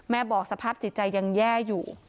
บอกสภาพจิตใจยังแย่อยู่